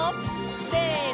せの！